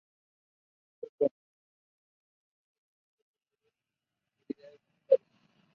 New decorations are awarded every year.